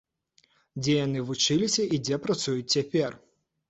Дзе яны вучыліся і дзе працуюць цяпер?